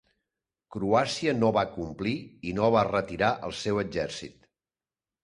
Croàcia no va complir i no va retirar el seu exèrcit.